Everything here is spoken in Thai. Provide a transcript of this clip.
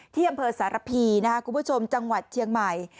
ที่อำเภอสารพีนะครับคุณผู้ชมจังหวัดเชียงใหม่